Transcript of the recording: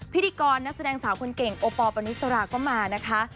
พิธีกรนักแสดงสาวคนเก่งโอปอลปณิสราก็มานะคะ